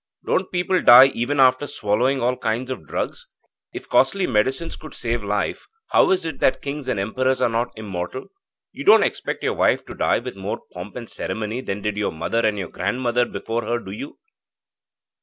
'Don't people die even after swallowing all kinds of drugs? If costly medicines could save life, how is it that kings and emperors are not immortal? You don't expect your wife to die with more pomp and ceremony than did your mother and your grandmother before her, do you?'